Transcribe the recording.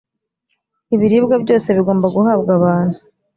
ibiribwa byose bigomba guhabwa abantu